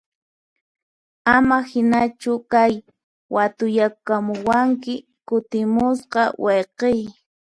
Ama hinachu kay, watuyakamuwanki kutimuspa wayqiy!